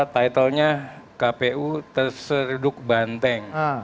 titelnya kpu terseruduk banteng